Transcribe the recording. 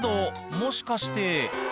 もしかして」